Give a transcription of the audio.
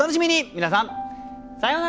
皆さんさようなら！